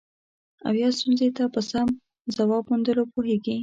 او یا ستونزې ته په سم ځواب موندلو پوهیږي.